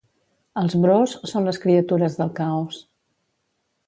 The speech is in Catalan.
Els Broos són les criatures del caos.